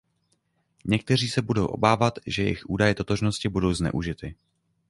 Někteří se budou obávat, že jejich údaje totožnosti budou zneužity.